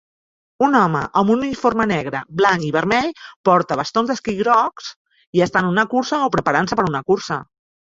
Un home amb un uniforme negre, blanc i vermell porta bastons d'esquí grocs i està en una cursa o preparant-se per a una cursa